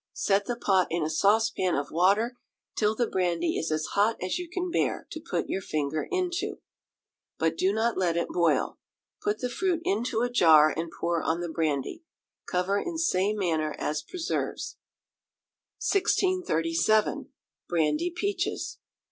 Set the pot in a saucepan of water till the brandy is as hot as you can bear to put your finger into, but do not let it boil. Put the fruit into a jar, and pour on the brandy. Cover in same manner as preserves. 1637. Brandy Peaches.